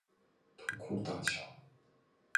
土庫大橋